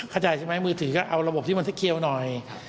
เข้าใจใช่ไหมมือถือก็เอาระบบที่มันที่เคียวหน่อย